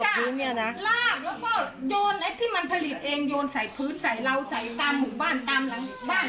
เพิ่งจะออกมาพ่อก็คิดว่ามันขึ้นมากันหมด